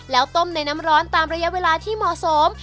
แล้วต้มในน้ำร้อนตามระยะเวลาที่เหมาะสม